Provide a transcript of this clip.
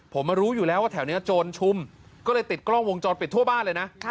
ผมมารู้อยู่แล้วว่าแถวนี้โจรชุมก็เลยติดกล้องวงจรปิดทั่วบ้านเลยนะ